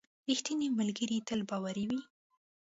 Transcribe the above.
• رښتینی ملګری تل باوري وي.